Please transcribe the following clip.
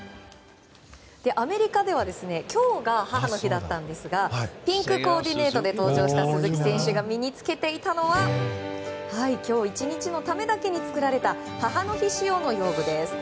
アメリカでは今日が母の日だったんですがピンクコーディネートで登場した鈴木選手が身に着けていたのは今日１日のためだけに作られた母の日仕様の用具です。